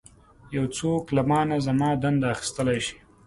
یو څوک له مانه زما دنده اخیستلی شي.